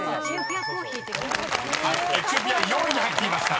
［はい「エチオピア」４位に入っていました］